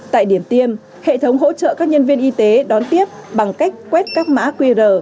tại điểm tiêm hệ thống hỗ trợ các nhân viên y tế đón tiếp bằng cách quét các mã qr